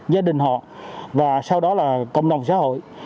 gia đình họ và sau đó là cộng đồng xã hội